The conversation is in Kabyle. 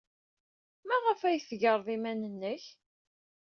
Maɣef ay d-tegred iman-nnek?